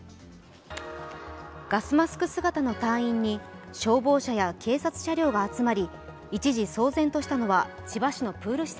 ガスマスク姿の隊員に消防車や警察車両が集まり、一時騒然としたのは、千葉市のプール施設。